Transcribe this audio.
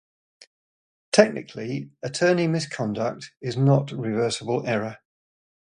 Technically, attorney misconduct is not reversible error.